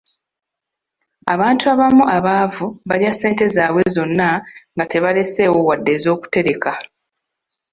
Abantu abamu abaavu balya ssente zaabwe zonna nga tebaleseeyo wadde ez'okutereka.